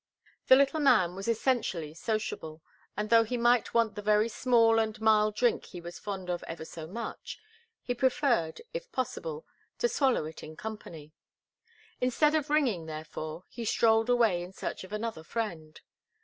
The little man was essentially sociable, and though he might want the very small and mild drink he was fond of ever so much, he preferred, if possible, to swallow it in company. Instead of ringing, therefore, he strolled away in search of another friend.